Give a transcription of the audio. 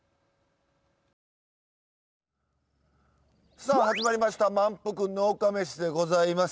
さあ始まりました「まんぷく農家メシ！」でございます。